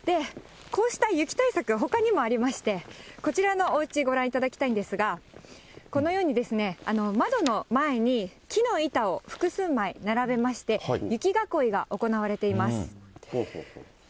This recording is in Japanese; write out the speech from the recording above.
こうした雪対策、ほかにもありまして、こちらのおうち、ご覧いただきたいんですが、このようにですね、窓の前に木の板を複数枚並べまして、雪囲いが行われています。